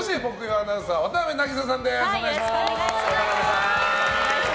アナウンサー渡邊渚さんです。